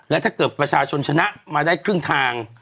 และถ้าเกิดประชาชนชนะมาได้ครึ่งทาง